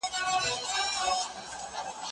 ايا ته سبا ته فکر کوې